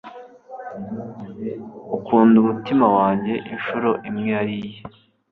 akunda umutima wanjye inshuro imwe yari iye